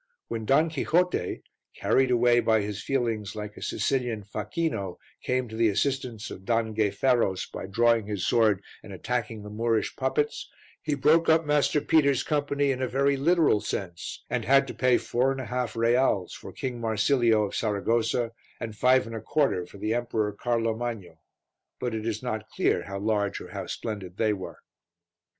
When Don Quixote, carried away by his feelings like a Sicilian facchino, came to the assistance of Don Gayferos by drawing his sword and attacking the Moorish puppets, he broke up Master Peter's company in a very literal sense, and had to pay four and a half reals for King Marsilio of Saragossa and five and a quarter for the Emperor Carlo Magno; but it is not clear how large or how splendid they were.